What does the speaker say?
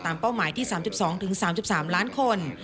เป้าหมายที่๓๒๓๓ล้านคน